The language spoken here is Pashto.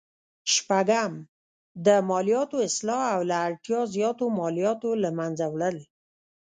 شپږم: د مالیاتو اصلاح او له اړتیا زیاتو مالیاتو له مینځه وړل.